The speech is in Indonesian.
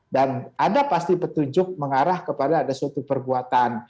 dan ada pasti petunjuk mengarah kepada ada suatu perbuatan